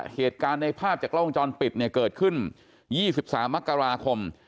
เหตุการณ์ในภาพจากกล้องวงจรปิดเนี่ยเกิดขึ้น๒๓มกราคม